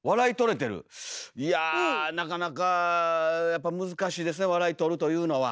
いやなかなかやっぱ難しいですね笑いとるというのは。